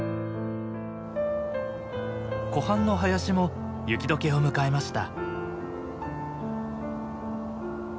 湖畔の林も雪解けを迎えました。